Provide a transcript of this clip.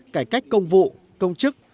cải cách công vụ công chức